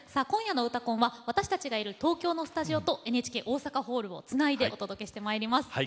今夜の「うたコン」は私たちがいる東京のスタジオとＮＨＫ大阪ホールをつないでお届けしてまいります。